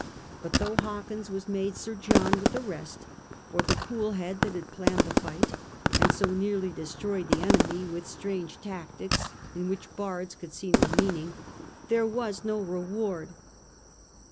But though Hawkins was made Sir John with the rest, for the cool head that had planned the fight and so nearly destroyed the enemy with strange tactics, in which bards could see no meaning, there was no reward.